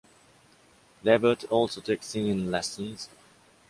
Lebert also took singing lessons.